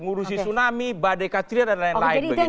ngurusi tsunami badai katria dan lain lain begitu